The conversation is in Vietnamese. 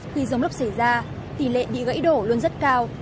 khi rông lốc xảy ra tỷ lệ bị gãy đổ luôn rất cao